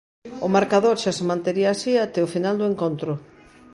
O marcador xa se mantería así até o final do encontro.